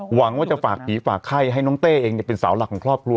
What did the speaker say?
หวังว่าจะฝากผีฝากไข้ให้น้องเต้เองเป็นสาวหลักของครอบครัว